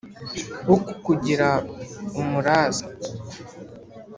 wo kukugira umuraza